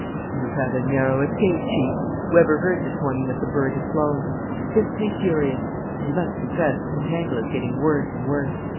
"You've had a narrow escape, Chief. Weber heard this morning that the bird had flown. He's simply furious! And you must confess that the tangle is getting worse and worse.